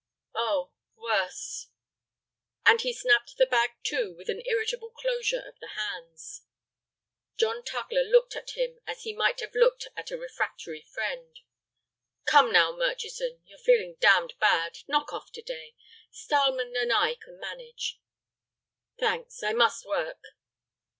"Oh—worse," and he snapped the bag to with an irritable closure of the hands. John Tugler looked at him as he might have looked at a refractory friend. "Come now, Murchison, you're feeling damned bad. Knock off to day. Stileman and I can manage." "Thanks. I must work."